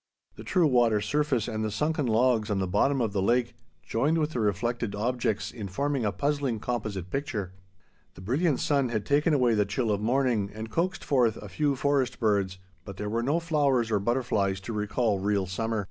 The true water surface and the sunken logs on the bottom of the lake joined with the reflected objects in forming a puzzling composite picture. The brilliant sun had taken away the chill of morning and coaxed forth a few forest birds, but there were no flowers or butterflies to recall real summer.